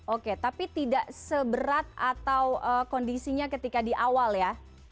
oke tapi tidak seberat atau kondisinya ketika di awal ya